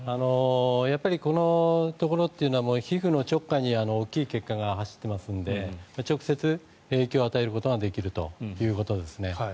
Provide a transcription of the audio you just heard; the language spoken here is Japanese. このところというのは皮膚の直下に大きい血管が走っていますので直接影響を与えることができるということですね。